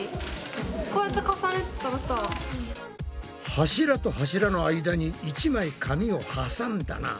柱と柱の間に１枚紙を挟んだな。